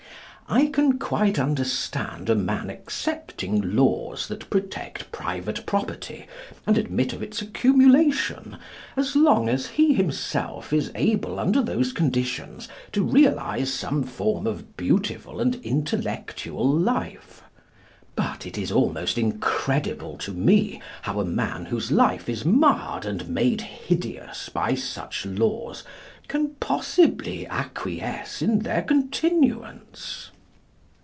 I can quite understand a man accepting laws that protect private property, and admit of its accumulation, as long as he himself is able under those conditions to realise some form of beautiful and intellectual life. But it is almost incredible to me how a man whose life is marred and made hideous by such laws can possibly acquiesce in their continuance.